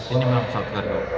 ini memang pesawat kargo